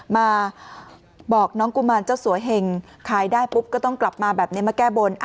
มาบอกน้องกุมารเจ้าสัวเหงขายได้ปุ๊บก็ต้องกลับมาแบบนี้มาแก้บน